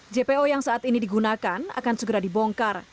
jpo yang saat ini digunakan akan segera dibongkar